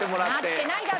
なってないだろ！